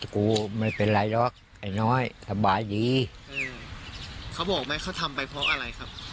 กูไม่เป็นไรหรอกไอ้น้อยสบายดีเขาบอกไหมเขาทำไปเพราะอะไรครับ